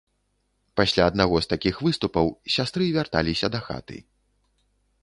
Пасля аднаго з такіх выступаў сястры вярталіся дахаты.